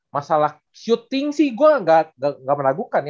masalah shooting sih gue gak menagukan ya